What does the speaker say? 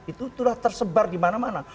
itu sudah tersebar dimana mana